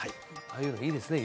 ああいうのいいですね